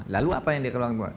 lalu apa yang dikeluarkan